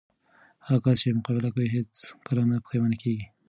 هغه کس چې مقابله کوي، هیڅ کله نه پښېمانه کېږي.